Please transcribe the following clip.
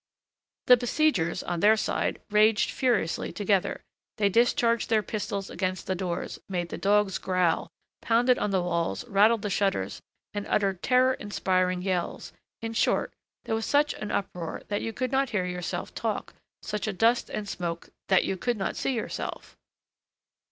The besiegers, on their side, raged furiously together: they discharged their pistols against the doors, made the dogs growl, pounded on the walls, rattled the shutters, and uttered terror inspiring yells; in short, there was such an uproar that you could not hear yourself talk, such a dust and smoke that you could not see yourself.